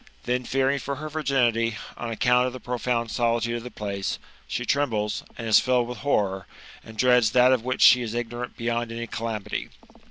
Then, fearing for h^r virginity, on account of the profound solitude of the place, she trembles, and is filled with horror, and dreads that of which she is ignorant beyond any calamity.